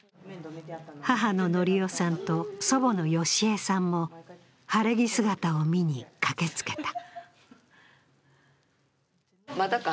母の典代さんと祖母の善江さんも晴れ着姿を見に駆けつけた。